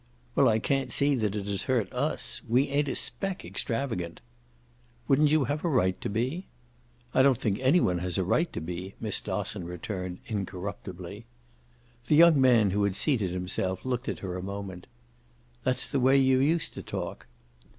"Well, I can't see that it has hurt US. We ain't a speck extravagant." "Wouldn't you have a right to be?" "I don't think any one has a right to be," Miss Dosson returned incorruptibly. The young man, who had seated himself, looked at her a moment. "That's the way you used to talk."